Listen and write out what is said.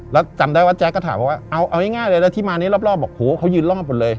แล้วจำได้ว่าแจ๊คก็ถามว่าเอาง่ายแล้วที่มานี้รอบเขายืนรอบเลย